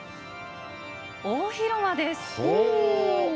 大広間です。